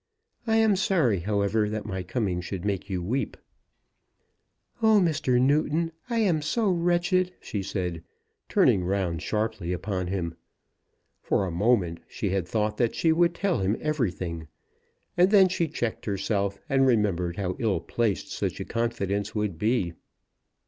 I am sorry, however, that my coming should make you weep." "Oh, Mr. Newton, I am so wretched!" she said, turning round sharply upon him. For a moment she had thought that she would tell him everything, and then she checked herself, and remembered how ill placed such a confidence would be.